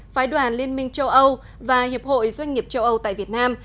phái đoàn liên minh châu âu và hiệp hội doanh nghiệp châu âu tại việt nam